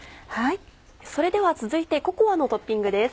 それでは続いてココアのトッピングです。